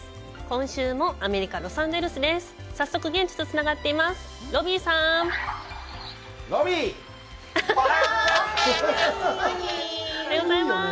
今週もアメリカ・ロサンゼルスです。